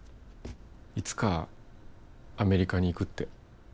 いつかアメリカに行くって。